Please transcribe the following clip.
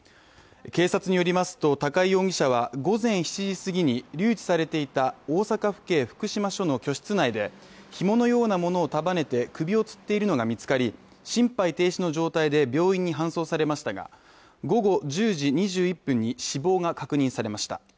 警察によりますと高井容疑者は午前７時すぎに留置されていた大阪府警福島署の居室内でひものようなものを束ねて首をつっているのが見つかり心肺停止の状態で病院に搬送されましたが午後１０時２１分に死亡が確認されました。